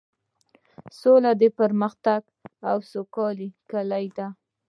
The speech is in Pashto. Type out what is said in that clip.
سوله د پرمختګ او سوکالۍ کیلي ده.